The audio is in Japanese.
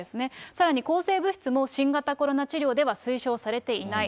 さらに抗生物質も新型コロナ治療では推奨されていない。